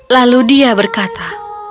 lalu dia berkata